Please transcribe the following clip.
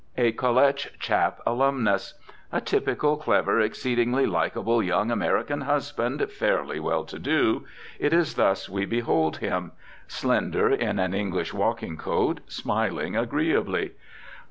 A "colletch" chap alumnus. A typical, clever, exceedingly likable young American husband, fairly well to do: it is thus we behold him. Slender, in an English walking coat, smiling agreeably.